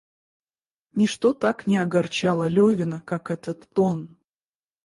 Ничто так не огорчало Левина, как этот тон.